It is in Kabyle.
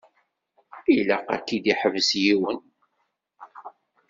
Ilaq ad k-id-iḥbes yiwen.